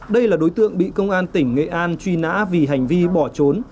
đây là đối tượng bị công an tỉnh nghệ an truy nã vì hành vi bỏ trốn